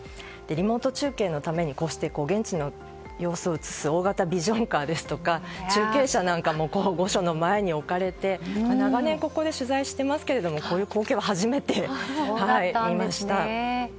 リモート中継のためにこうして現地の様子を映す大型ビジョンカーですとか中継車なんかも御所の前に置かれて長年ここで取材していますけれどもこういう光景は初めて見ました。